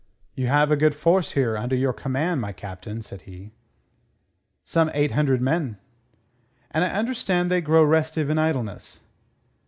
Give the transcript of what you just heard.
"You have a good force here under your command, my Captain," said he. "Some eight hundred men." "And I understand they grow restive in idleness."